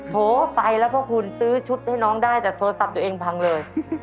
โถไปแล้วก็คุณซื้อชุดให้น้องได้แต่โทรศัพท์ตัวเองพังเลย